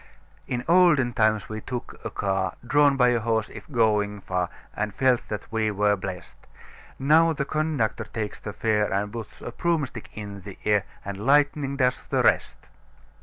"In olden times we took a car Drawn by a horse, if going far, And felt that we were blest; Now the conductor takes the fare And puts a broomstick in the air And lightning does the rest.